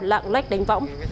lạng lách đánh võng